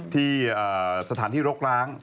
ที่สถานที่เลิกร้าน